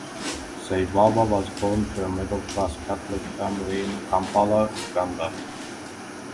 Sey Wava was born to a middle-class Catholic family in Kampala, Uganda.